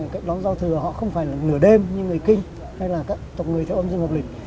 cách đón giao thừa họ không phải là nửa đêm như người kinh hay là các tộc người theo ông dương ngọc lịch